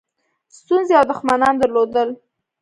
ستونزې او دښمنان درلودل.